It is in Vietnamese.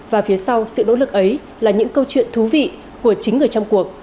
và phía sau sự nỗ lực ấy là những câu chuyện thú vị của chính người trong cuộc